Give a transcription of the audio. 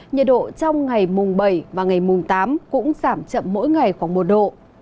nhiệt độ trong ngày mùng bảy và ngày mùng tám cũng giảm chậm mỗi ngày khoảng một độ